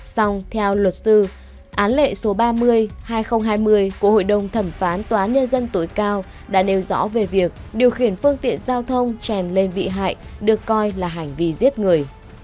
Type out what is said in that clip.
xong theo luật sư án lệ số ba mươi hai nghìn hai mươi của hội đồng thẩm phán tòa án nhân dân tối cao đã nêu rõ về việc điều khiển phương tiện giao thông chèn lên bị hại được coi là hành vi giết người